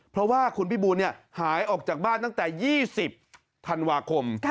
เพราะว่าคุณพี่บูลหายออกจากบ้านตั้งแต่๒๐ธันวาคม